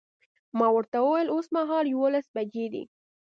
ما ورته وویل اوسمهال یوولس بجې دي.